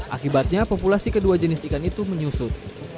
akibatnya populasi kedua jenis ikan itu menyusut